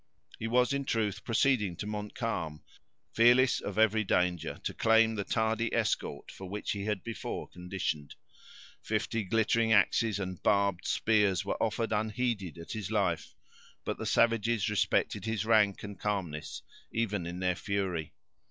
He was, in truth, proceeding to Montcalm, fearless of every danger, to claim the tardy escort for which he had before conditioned. Fifty glittering axes and barbed spears were offered unheeded at his life, but the savages respected his rank and calmness, even in their fury.